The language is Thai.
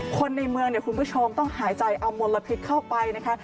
คนในเมืองเนี่ยคุณผู้ชมต้องหายใจเอามลพิษเข้าไปนะคะ